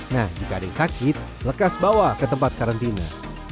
nah jika ada yang sakit lekas bawa ke tempat karantina